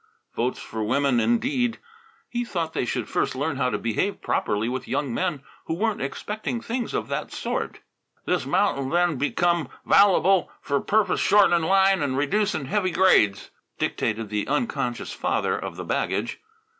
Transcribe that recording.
Votes for women, indeed! He thought they should first learn how to behave properly with young men who weren't expecting things of that sort. " this 'mount'll then become 'vailable f'r purpose shortenin' line an' reducin' heavy grades," dictated the unconscious father of the baggage.